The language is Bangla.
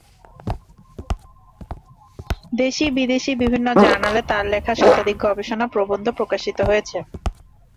দেশি- বিদেশি বিভিন্ন জার্নালে তার লেখা শতাধিক গবেষণা প্রবন্ধ প্রকাশিত হয়েছে।